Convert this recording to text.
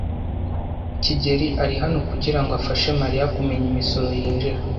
kigeli ari hano kugirango afashe Mariya kumenya imisoro yinjira.